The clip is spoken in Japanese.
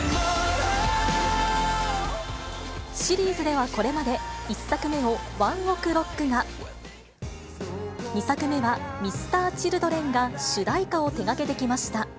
シリーズではこれまで、１作目をＯＮＥＯＫＲＯＣＫが、２作目はＭｒ．Ｃｈｉｌｄｒｅｎが主題歌を手がけてきました。